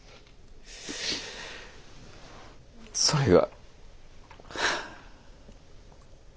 それが。